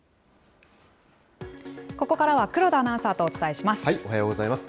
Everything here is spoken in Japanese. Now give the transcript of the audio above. ここからは黒田アナウンサーおはようございます。